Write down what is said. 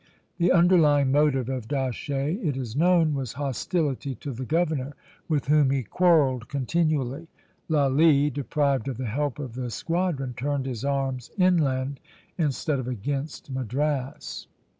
The underlying motive of D'Aché, it is known, was hostility to the governor, with whom he quarrelled continually. Lally, deprived of the help of the squadron, turned his arms inland instead of against Madras.